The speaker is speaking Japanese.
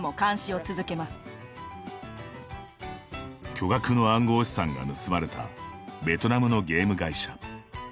巨額の暗号資産が盗まれたベトナムのゲーム会社。